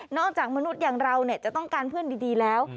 จากมนุษย์อย่างเราจะต้องการเพื่อนดีแล้ว